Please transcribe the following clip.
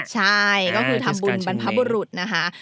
ใช่ก็คือทำบุญบรรพบุรุษนะคะ